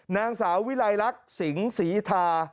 นางสาววิลัยลักษณ์สิงศรีทา